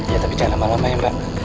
ya tapi jangan lama lamanya mbak